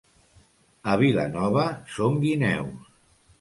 A Vilanova són guineus.